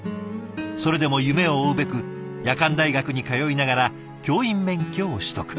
それでも夢を追うべく夜間大学に通いながら教員免許を取得。